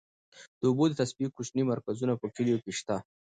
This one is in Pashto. د اوبو د تصفیې کوچني مرکزونه په کليو کې شته.